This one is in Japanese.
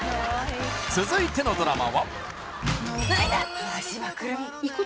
続いてのドラマは痛っ！